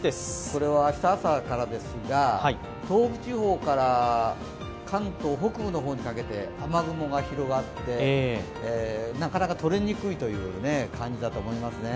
これは明日朝からですが、東北地方から関東北部にかけて、雨雲が広がって、なかなかとれにくいという感じだと思いますね。